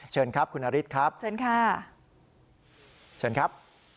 เชิญครับคุณนฤทธิ์ครับเชิญค่ะเชิญครับ